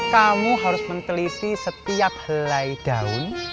kamu harus menteliti setiap helai daun